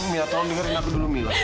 mia tolong dengerin aku dulu mila